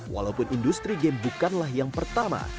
walaupun industri game bukanlah yang pertama